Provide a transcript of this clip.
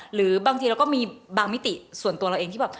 หรือบางทีเราก็มีบางมิติส่วนตัวเราเองที่แบบ